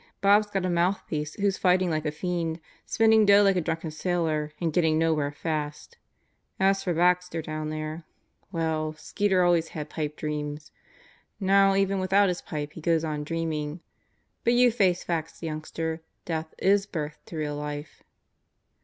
Bob's got a mouthpiece who's fighting like a fiend, spending dough like a drunken sailor, and getting nowhere fast. As for Baxter down there ... well, Satan in the Cell Block 79 Skeeter always had pipe dreams. Now even without his pipe he goes on dreaming. But you face facts, youngster. Death is birth to real life."